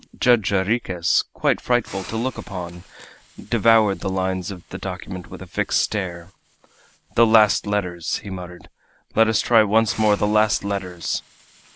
Judge Jarriquez, quite frightful to look upon, devoured the lines of the document with a fixed stare. "The last letters!" he muttered. "Let us try once more the last letters!"